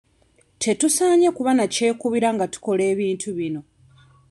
Tetusaanye kuba na kyekubiira nga tukola ku bintu bino.